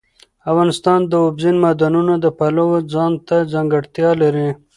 افغانستان د اوبزین معدنونه د پلوه ځانته ځانګړتیا لري.